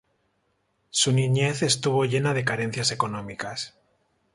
Su niñez estuvo llena de carencias económicas.